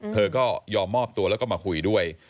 เธอก็ยอมมอบตัวแล้วก็มาคุยด้วย